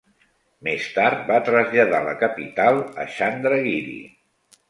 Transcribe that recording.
Més tard va traslladar la capital a Chandragiri.